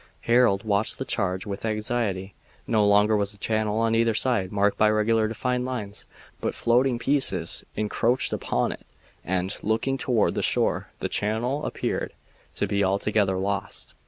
Harold watched the change with anxiety. No longer was the channel on either side marked by regular defined lines, but floating pieces encroached upon it, and, looking toward the shore, the channel appeared to be altogether lost.